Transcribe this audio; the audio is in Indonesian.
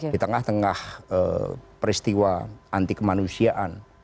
di tengah tengah peristiwa anti kemanusiaan